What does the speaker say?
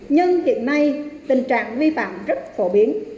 nhưng hiện nay tình trạng vi phạm rất phổ biến